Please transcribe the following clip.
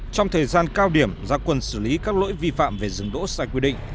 trong thời gian cao điểm giao quân xử lý các lỗi vi phạm về rừng đỗ sai quy định